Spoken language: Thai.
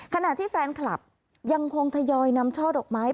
ขณะที่แฟนคลับยังคงทยอยนำช่อดอกไม้